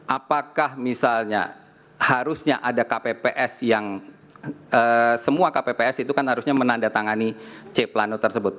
apakah misalnya harusnya ada kpps yang semua kpps itu kan harusnya menandatangani c plano tersebut